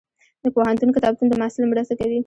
د پوهنتون کتابتون د محصل مرسته کوي.